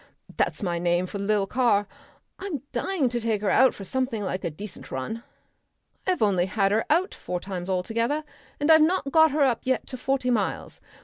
"That's my name for the lil' car. I'm dying to take her for something like a decent run. I've only had her out four times altogether, and I've not got her up yet to forty miles.